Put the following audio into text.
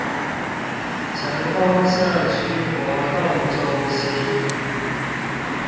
成功社區活動中心